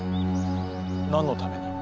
何のために？